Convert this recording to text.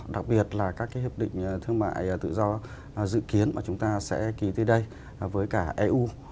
đặc biệt là các cái hiệp định thương mại tự do dự kiến mà chúng ta sẽ ký tới đây với cả eu